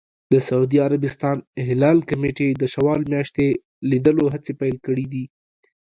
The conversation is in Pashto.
د سعودي عربستان هلال کمېټې د شوال میاشتې لیدلو هڅې پیل کړې دي.